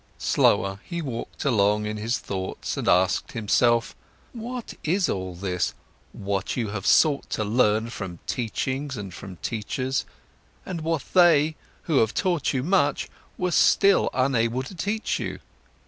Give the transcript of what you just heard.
Slower, he walked along in his thoughts and asked himself: "But what is this, what you have sought to learn from teachings and from teachers, and what they, who have taught you much, were still unable to teach you?"